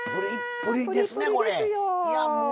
ぷりっぷりですねこれ。